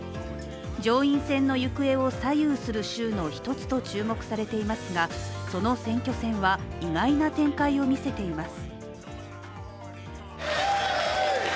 上院選の行方を左右する州の１つと注目されていますがその選挙戦は、意外な展開を見せています。